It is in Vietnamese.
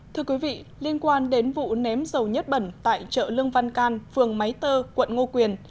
thưa quý vị liên quan đến vụ ném dầu nhất bẩn tại chợ lương văn can phường máy tơ quận ngô quyền